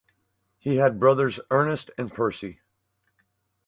He had brothers Ernest and Percy.